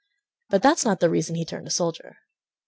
But that's not the reason he turned a soldier.